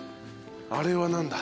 あれは何だ？